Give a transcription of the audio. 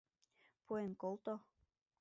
— Пуэн колто.